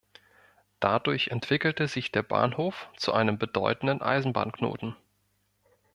Dadurch entwickelte sich der Bahnhof zu einem bedeutenden Eisenbahnknoten.